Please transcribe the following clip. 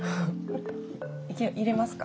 入れますか？